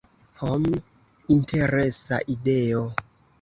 Hm, interesa ideo.